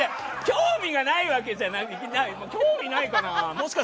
興味がないわけじゃない。